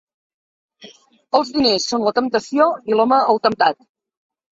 Els diners són la temptació i l'home el temptat.